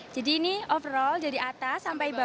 jadi ini overall dari atas sampai bawah